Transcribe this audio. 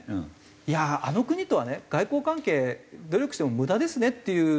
「いやあの国とはね外交関係努力しても無駄ですね」っていうのと。